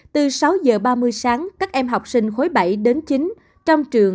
từ sáu giờ ba mươi sáng các em học sinh khối bảy đến chín trong trường